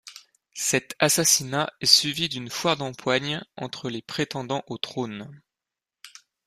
Cet assassinat est suivi d’une foire d’empoigne entre les prétendants au trône.